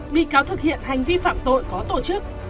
bị cáo thực hiện hành vi phạm tội có tổ chức